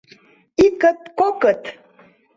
Икыт-кокыт!